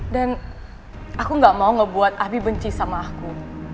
dan aku gak mau ngebuat abi benci sama aku